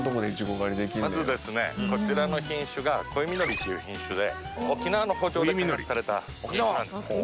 まずですねこちらの品種が恋みのりっていう品種で沖縄の圃場で開発された品種なんです。